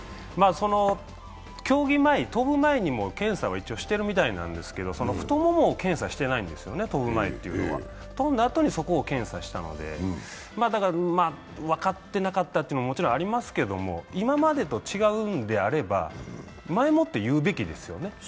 競技前、飛ぶ前にも検査はしているみたいなんですけど、太ももを検査してないんですよ、飛ぶ前というのは。飛んだあとにそこを検査したので、分かってなかったというのももちろんありますけど今までと違うんであれば、前もって言うべきですよね。